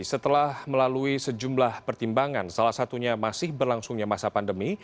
setelah melalui sejumlah pertimbangan salah satunya masih berlangsungnya masa pandemi